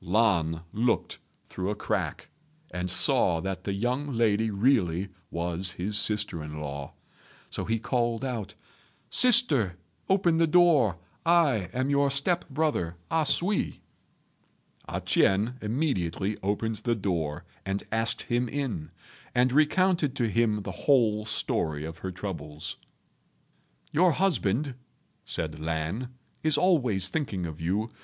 Lan looked through a crack, and saw that the young lady really was his sister in law; so he called out, "Sister, open the door. I am your step brother A sui." A ch'ien immediately opened the door and asked him in, and recounted to him the whole story of her troubles. "Your husband," said Lan, "is always thinking of you.